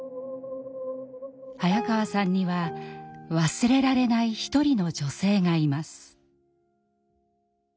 早川さんには忘れられない一人の女性がいます。